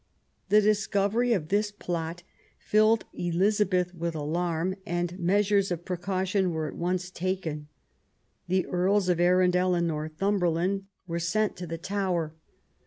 The discovery of this plot filled Elizabeth with alarm, and measures of precaution were at once taken. The Earls of Arundel and Northumberland were sent to the Tower.